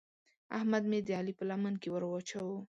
احمد مې د علي په لمن کې ور واچاوو.